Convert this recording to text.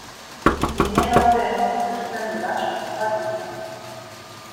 Les Néerlandais remportent tout de même le match pour la troisième place.